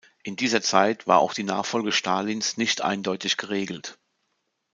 In dieser Zeit war auch die Nachfolge Stalins nicht eindeutig geregelt.